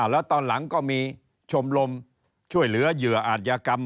แล้วตอนหลังก็มีชมรมช่วยเหลือเหยื่ออาจยากรรม